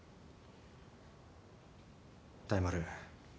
大丸